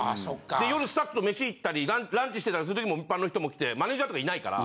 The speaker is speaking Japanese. で夜スタッフとメシ行ったりランチしてたりする時も一般の人も来てマネジャーとかいないから。